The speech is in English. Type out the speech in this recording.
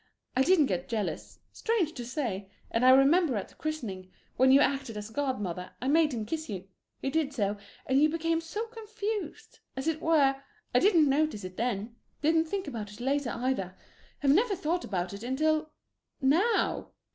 I didn't get jealous strange to say! And I remember at the christening, when you acted as godmother, I made him kiss you he did so, and you became so confused as it were; I didn't notice it then didn't think about it later, either have never thought about it until now!